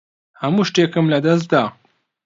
هەموو شتێکم لەدەست دا.